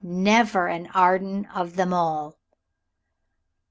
Never an Arden of them all."